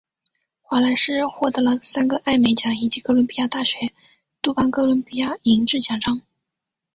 华莱士获得了三个艾美奖以及哥伦比亚大学杜邦哥伦比亚银质奖章。